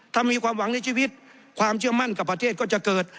ถ้ามีความหวังในชีวิตความเชื่อมั่นกับประเทศก็จะเกิด